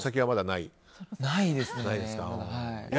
ないですね。